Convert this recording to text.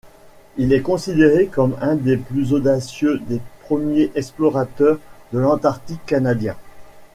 Il est considéré comme un des plus audacieux des premiers explorateurs dans l'Arctique canadien.